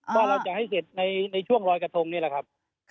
ว่าเราจะให้เสร็จในช่วงรอยกระทงนี่แหละครับ